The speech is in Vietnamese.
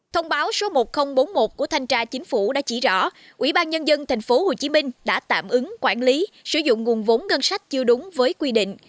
thông báo số một nghìn bốn mươi một của thanh tra chính phủ đã chỉ rõ ủy ban nhân dân tp hcm đã tạm ứng quản lý sử dụng nguồn vốn ngân sách chưa đúng với quy định